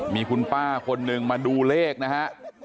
มีคุณป้าคนหนึ่งมาดูเลขนะฮะ